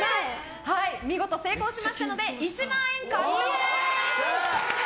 見事成功しましたので１万円獲得です！